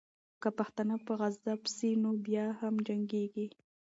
که پښتانه په عذاب سي، نو بیا هم جنګېږي.